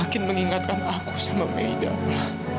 semakin mengingatkan aku sama aida pak